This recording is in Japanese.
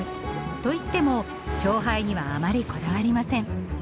といっても勝敗にはあまりこだわりません。